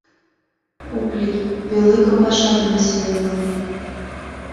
— Ок лий, пӧлекым паша дене сулен налман.